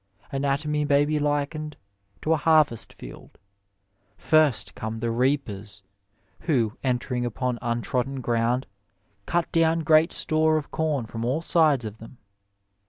Anatomy may be likened to a harvest field. First come the reapers, who, entering upon untrodden ground, cut down great store of com from all sides of them.